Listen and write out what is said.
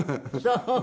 そう。